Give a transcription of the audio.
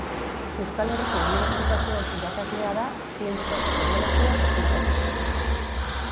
Euskal Herriko Unibertsitatean irakaslea da Zientzia eta Teknologia Fakultatea.